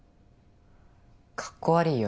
かっこ悪ぃよ